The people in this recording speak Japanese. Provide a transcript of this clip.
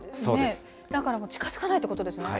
だからもう近づかないということですね。